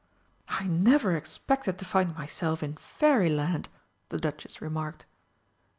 "I never expected to find myself in Fairyland," the Duchess remarked.